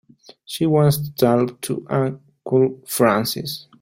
She wants to talk to Uncle Francis.